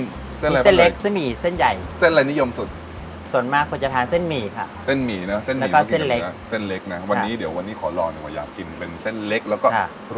มีเส้นเล็กเส้นหมี่เส้นใหญ่ส่วนมากคือจะทานเส้นหมี่ค่ะแล้วก็เส้นเล็กส่วนมากคือจะทานเส้นหมี่ค่ะ